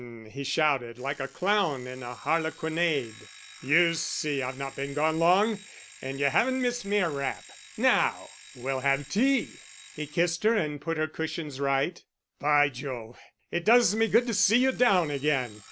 he shouted, like a clown in a harlequinade. "You see I've not been gone long and you haven't missed me a rap. Now, we'll have tea." He kissed her and put her cushions right. "By Jove, it does me good to see you down again.